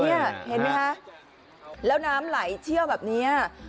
เนี้ยเห็นไหมคะเพราะว่าน้ำไหลเชี่ยวแบบนี้